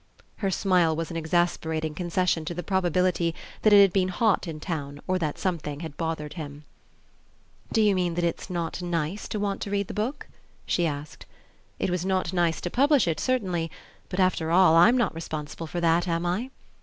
Her smile was an exasperating concession to the probability that it had been hot in town or that something had bothered him. "Do you mean it's not nice to want to read the book?" she asked. "It was not nice to publish it, certainly; but after all, I'm not responsible for that, am I?"